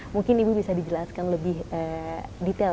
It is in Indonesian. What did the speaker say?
mungkin ibu bisa dijelaskan lebih detail